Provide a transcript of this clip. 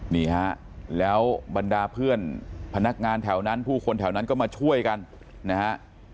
นี่ฮะแล้วบรรดาเพื่อนพนักงานแถวนั้นผู้คนแถวนั้นก็มาช่วยกันนะฮะ